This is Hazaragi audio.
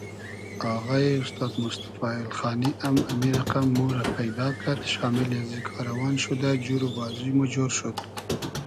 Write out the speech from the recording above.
آغایی اوستاد موستئفا اېلخانی ام امی رئقئم مورۂ پݷدا کئد شامیلی ازی کاروان شودۂ جور و بازوی مۉ جۉر شود